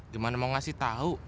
gimana mau ngasih tau